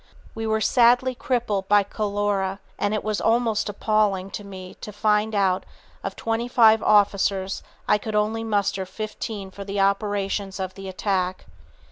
We were sadly crippled by cholera, and it was almost appalling to me to find that out of twenty seven officers I could only muster fifteen for the operations of the attack.